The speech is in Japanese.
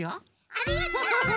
ありがとう！